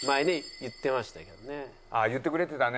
言ってくれてたね。